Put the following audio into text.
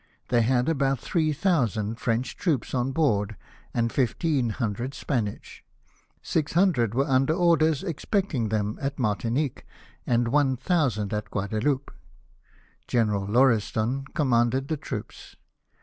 They had about three thousand French troops on board and fifteen hundred Spanish — six hundred were under orders, expecting them at Martinique, and one thousand at Guadaloupe. General Lauriston commanded the troops.